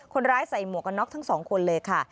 คนร้ายใส่หมวกกระน็อกทั้งสองคนเลยค่ะ